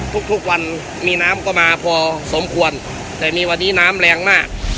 ทุกวันมีน้ำก็มาพอสมควรแต่มีวันนี้น้ำแรงมาก